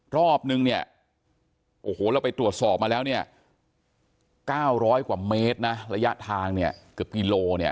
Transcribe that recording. รอบนึงเราไปตรวจสอบมาแล้ว๙๐๐กว่าเมตรระยะทางเกือบกี่โล